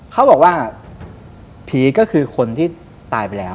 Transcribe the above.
เขาบอกว่าผีก็คือคนที่ตายไปแล้ว